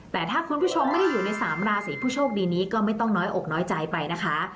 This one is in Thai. แต่ถ้าคุณผู้ชมไม่ได้อยู่ในสามราศีผู้โชคดีนี้ก็ไม่ต้องน้อยอกน้อยใจไปนะคะ